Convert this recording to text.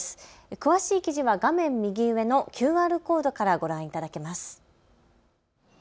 詳しい記事は画面右上のＱＲコードからご覧いただけます。